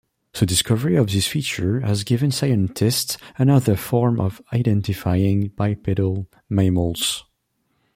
The discovery of this feature has given scientists another form of identifying bipedal mammals.